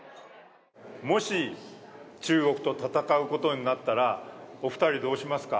もし中国と戦うことになったら、お二人、どうしますか。